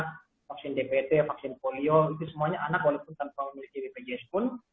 vaksin dpt vaksin polio itu semuanya anak walaupun tanpa memiliki bpjs pun